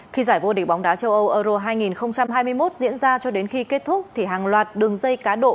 khi giải vô địch bóng đá châu âu euro hai nghìn hai mươi một diễn ra cho đến khi kết thúc thì hàng loạt đường dây cá độ